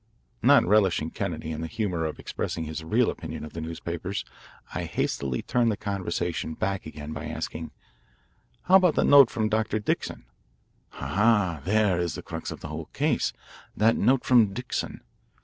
Not relishing Kennedy in the humour of expressing his real opinion of the newspapers, I hastily turned the conversation back again by asking, "How about the note from Dr. Dixon?" "Ah, there is the crux of the whole case that note from Dixon.